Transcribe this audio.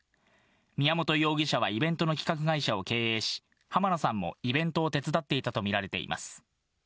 宮本容疑者はイベントの企画会社を経営し、浜野さんもイベントを手伝っていたと見られています。